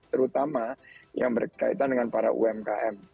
terutama yang berkaitan dengan para umkm